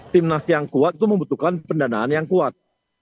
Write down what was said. timnas yang kuat itu membutuhkan pendanaan yang kuat